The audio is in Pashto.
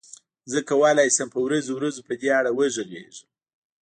زه کولای شم په ورځو ورځو په دې اړه وغږېږم.